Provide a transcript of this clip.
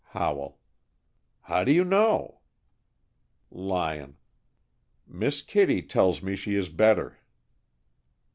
Howell: "How do you know?" Lyon: "Miss Kittie tells me she is better."